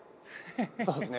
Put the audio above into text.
そうですね。